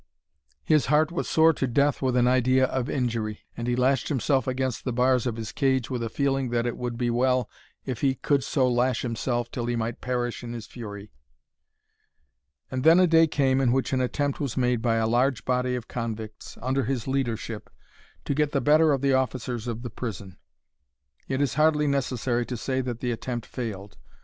His heart was sore to death with an idea of injury, and he lashed himself against the bars of his cage with a feeling that it would be well if he could so lash himself till he might perish in his fury. And then a day came in which an attempt was made by a large body of convicts, under his leadership, to get the better of the officers of the prison. It is hardly necessary to say that the attempt failed.